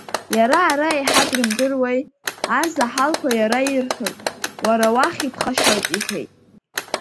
Иара ара еиҳа дрымдыруеи, арзаҳалқәа иара ирҭоит, уара уахь иԥхашьоит, — иҳәеит.